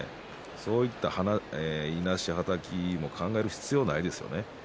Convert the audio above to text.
そういったいなし、はたきを考える必要はないですよね。